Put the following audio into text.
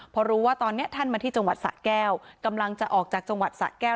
พอรู้ว่าตอนนี้ท่านมาที่จังหวัดสะแก้วกำลังจะออกจากจังหวัดสะแก้ว